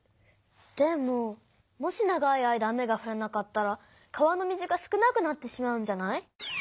でももし長い間雨がふらなかったら川の水が少なくなってしまうんじゃない？